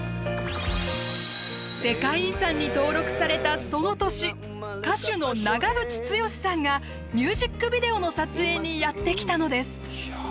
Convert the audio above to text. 世界遺産に登録されたその年歌手の長渕剛さんがミュージックビデオの撮影にやって来たのです。